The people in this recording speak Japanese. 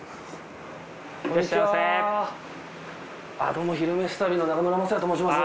どうも「昼めし旅」の中村昌也と申します。